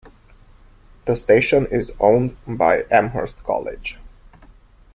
The station is owned by Amherst College.